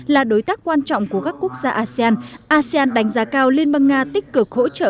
là đối tác quan trọng của các quốc gia asean asean asean đánh giá cao liên bang nga tích cực hỗ trợ